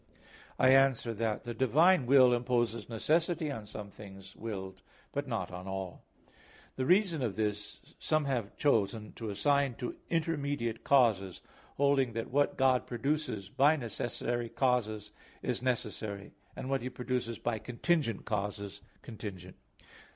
I answer that, The divine will imposes necessity on some things willed but not on all. The reason of this some have chosen to assign to intermediate causes, holding that what God produces by necessary causes is necessary; and what He produces by contingent causes contingent.